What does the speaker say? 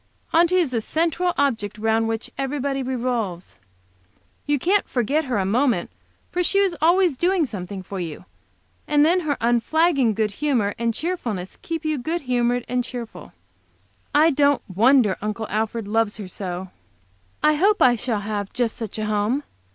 Aunty is the central object round which every body revolves; you can't forget her a moment, she is always doing something for you, and then her unflagging good humor and cheerfulness keep you good humored and cheerful. I don't wonder Uncle Alfred loves her so. I hope I shall have just such a home.